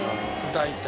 大体。